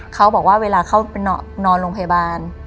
เขาบอกว่าเวลาเขานอนโรงพยาบาล